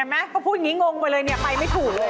ไหมก็พูดอย่างนี้งงไปเลยเนี่ยไปไม่ถูกเลย